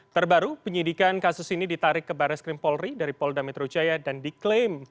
terbaru penyidikan kasus ini ditarik ke baris krim polri dari polda metro jaya dan diklaim